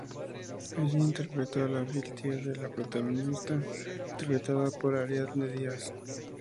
Allí interpretó a la fiel tía de la protagonista interpretada por Ariadne Diaz.